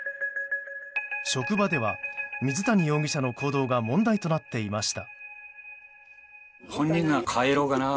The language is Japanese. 職場では、水谷容疑者の行動が問題となっていました。